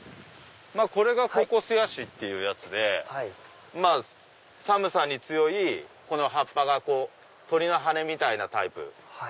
これがココスヤシっていうやつで寒さに強い葉っぱが鳥の羽みたいなタイプ。